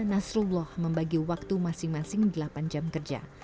nasrullah membagi waktu masing masing delapan jam kerja